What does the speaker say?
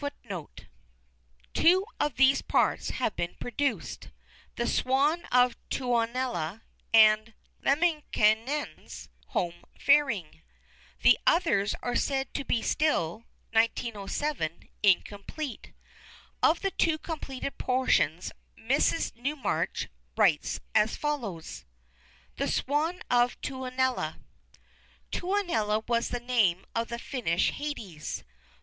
" Two of these parts have been produced "The Swan of Tuonela" and "Lemminkainen's Home Faring"; the others are said to be still (1907) incomplete. Of the two completed portions Mrs. Newmarch writes as follows: "THE SWAN OF TUONELA "Tuonela was the name of the Finnish Hades.